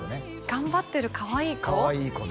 頑張ってるかわいい子？